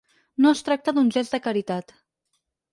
No es tracta d’un gest de caritat.